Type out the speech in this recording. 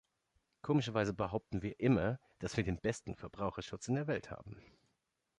Komischerweise behaupten wir immer, dass wir den besten Verbraucherschutz in der Welt haben.